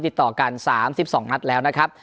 ติดต่อกัน๓๒นัดแล้วนะครับ